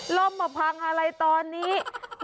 ล่มมาพังอะไรตอนนี้